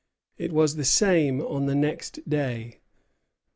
It was the same on the next day.